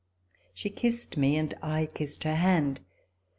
She kissed me and I kissed her hand.